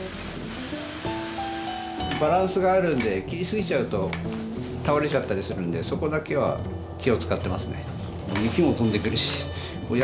バランスがあるんで切りすぎちゃうと倒れちゃったりするんでそこだけは気を遣ってますね。